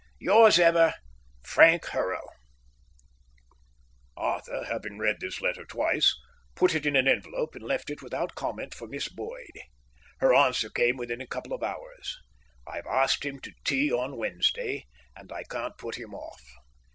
Yours ever, FRANK HURRELL Arthur, having read this letter twice, put it in an envelope and left it without comment for Miss Boyd. Her answer came within a couple of hours: "I've asked him to tea on Wednesday, and I can't put him off.